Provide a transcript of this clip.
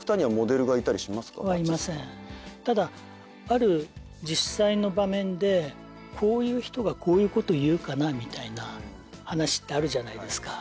ただある実際の場面でこういう人がこういうこと言うかなみたいな話ってあるじゃないですか。